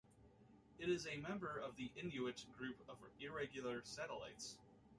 It is a member of the Inuit group of irregular satellites.